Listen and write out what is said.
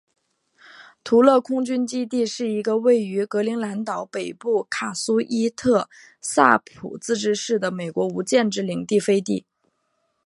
图勒空军基地是一个为于格陵兰岛北部卡苏伊特萨普自治市的美国无建制领地飞地。